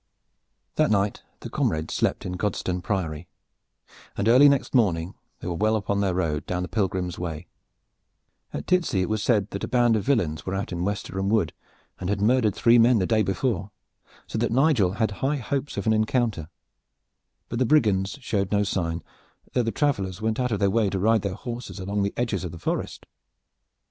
That night the comrades slept in Godstone Priory, and early next morning they were well upon their road down the Pilgrim's Way. At Titsey it was said that a band of villeins were out in Westerham Wood and had murdered three men the day before; so that Nigel had high hopes of an encounter; but the brigands showed no sign, though the travelers went out of their way to ride their horses along the edges of the forest.